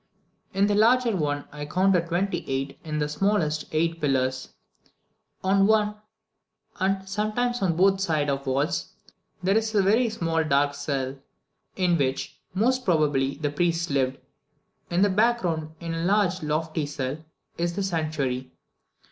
In the larger one I counted twenty eight, in the smallest eight pillars. On one, and sometimes on both side walls, there is a very small dark cell, in which most probably the priest lived. In the background, in a large and lofty cell, is the sanctuary.